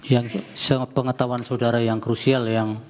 yang sepengetahuan saudara yang krusial